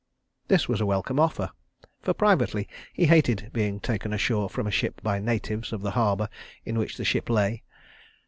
This was a welcome offer, for, privately, he hated being taken ashore from a ship by natives of the harbour in which the ship lay.